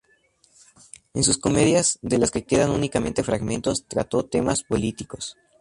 En sus comedias, de las que quedan únicamente fragmentos, trató temas políticos.